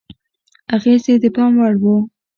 اغېز یې د پام وړ و.